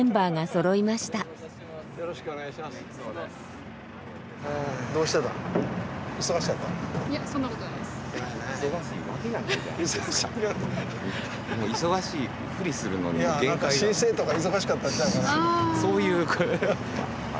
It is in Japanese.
そういう。